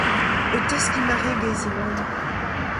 O teskiñ marc’hegezh e oan !